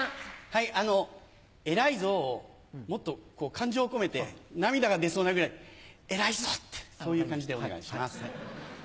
はいあの「偉いぞ」をもっと感情を込めて涙が出そうなぐらい「偉いぞ！」ってそういう感じでお願いします。